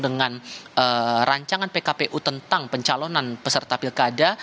dengan rancangan pkpu tentang pencalonan peserta pilkada